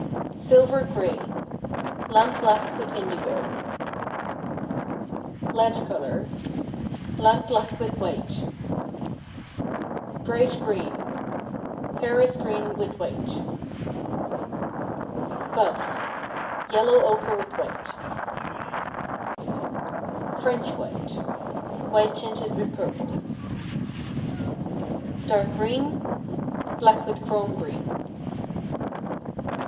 Silver Gray, lamp black with indigo. Lead Color, lamp black with white. Bright Green, Paris green with white. Buff, yellow ochre with white. French White, white tinted with purple. Dark Green, black with chrome green.